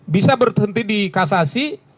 bisa berhenti di kasasi